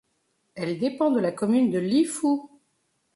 Elle dépend de la commune de Lifou.